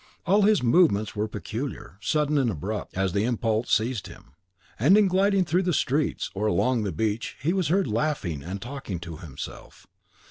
All his movements were peculiar, sudden, and abrupt, as the impulse seized him; and in gliding through the streets, or along the beach, he was heard laughing and talking to himself.